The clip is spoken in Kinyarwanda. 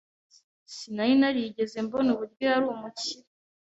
Sinari narigeze mbona uburyo yari umukire.